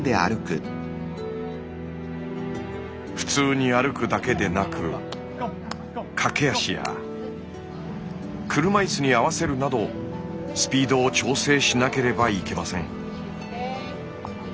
普通に歩くだけでなく駆け足や車いすに合わせるなどスピードを調整しなければいけません。